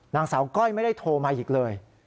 นางสาวก้อยไม่ได้โทรมาอีกเลย